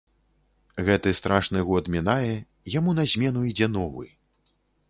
Гэты страшны год мінае, яму на змену ідзе новы.